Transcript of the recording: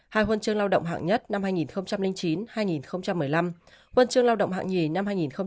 hai huân chương lao động hạng nhất năm hai nghìn chín hai nghìn một mươi năm huân chương lao động hạng nhì năm hai nghìn năm